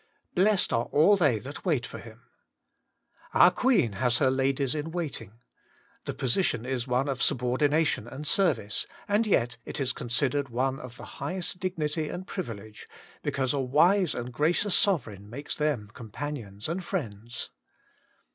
* Blessed are all they that wait for Him.' ^. r^ i^ .000 100 WAITING ON GODI Our Queen has her ladies in waiting. The position is one of subordination and service, and yet it is considered one of the highest dignity and privilege, because a wise and gracious sovereign makes them companions and friends.